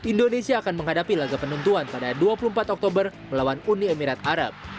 indonesia akan menghadapi laga penentuan pada dua puluh empat oktober melawan uni emirat arab